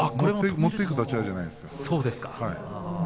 持っていく立ち合いではないです。